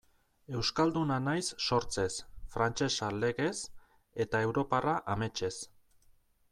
Euskalduna naiz sortzez, frantsesa legez, eta europarra ametsez.